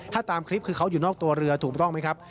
ถ้าตามคลิปคือเขาอยู่นอกตัวเรือถูกต้องไหมครับ